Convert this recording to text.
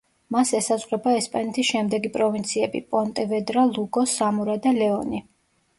მას ესაზღვრება ესპანეთის შემდეგი პროვინციები: პონტევედრა, ლუგო, სამორა და ლეონი.